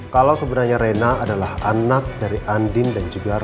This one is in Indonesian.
kalau sebenarnya rena adalah anak dari andin dan juga rena